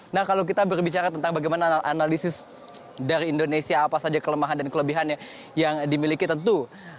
nah kalau kita berbicara tentang bagaimana analisis dari indonesia apa saja kelemahan dan kelebihannya yang dimiliki tentu